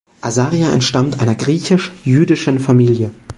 Azaria entstammt einer griechisch-jüdischen Familie.